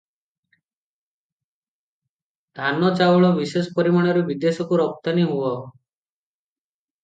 ଧାନ ଚାଉଳ ବିଶେଷ ପରିମାଣରେ ବିଦେଶକୁ ରପ୍ତାନୀ ହୁଅଇ ।